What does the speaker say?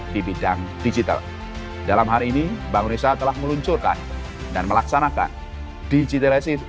di bidang digital dalam hari ini bank indonesia telah meluncurkan dan melaksanakan digitalisasi